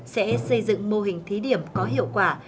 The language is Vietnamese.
sẽ xây dựng mô hình thí điểm có hiệu quả